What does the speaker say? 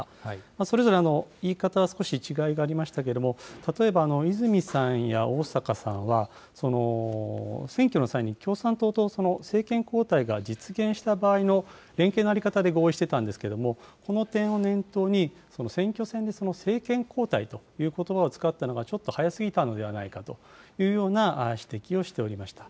それぞれ言い方は少し違いがありましたけれども、例えば、泉さんや逢坂さんは、選挙の際に、共産党と政権交代が実現した場合の連携の在り方で合意してたんですけれども、この点を念頭に、選挙戦で政権交代ということばを使ったのが、ちょっと早すぎたのではないかというような指摘をしておりました。